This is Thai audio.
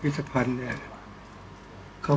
ก็ต้องทำอย่างที่บอกว่าช่องคุณวิชากำลังทำอยู่นั่นนะครับ